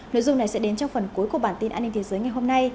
nội dung này sẽ đến trong phần cuối của bản tin an ninh thế giới ngày hôm nay